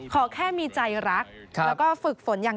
เขาแค่มีใจรักและฝึกฝนอย่าง